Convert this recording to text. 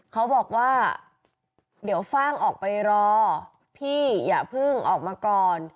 เขาบอกว่าเดี๋ยวฟ่างออกไปรอพี่อย่าเพิ่งออกมาก่อน